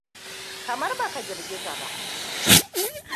Kamar ba ka girgiza ba.